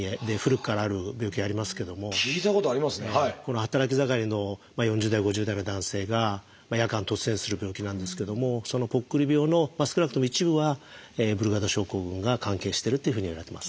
働き盛りの４０代５０代の男性が夜間突然死する病気なんですけどもそのぽっくり病の少なくとも一部はブルガダ症候群が関係してるっていうふうにいわれてます。